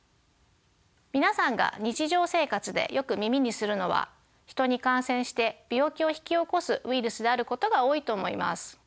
皆さんが日常生活でよく耳にするのはヒトに感染して病気を引き起こすウイルスであることが多いと思います。